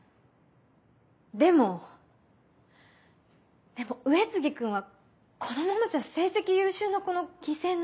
でもでも上杉君はこのままじゃ成績優秀な子の犠牲になって。